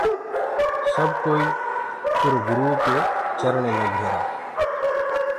سب ڪوئی اُرو گروئو ڪي چرڻي لگ رهير۔